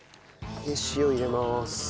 塩入れます。